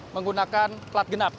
menggunakan plat genap